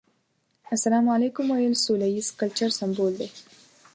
السلام عليکم ويل سوله ييز کلچر سمبول دی.